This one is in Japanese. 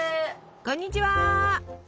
こんにちは。